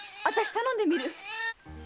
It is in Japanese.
あたし頼んでみる。